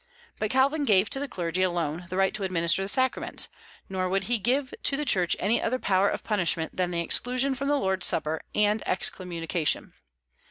But Calvin gave to the clergy alone the right to administer the sacraments; nor would he give to the Church any other power of punishment than exclusion from the Lord's Supper, and excommunication.